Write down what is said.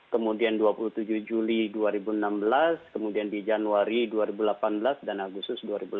kemudian dua puluh tujuh juli dua ribu enam belas kemudian di januari dua ribu delapan belas dan agustus dua ribu delapan belas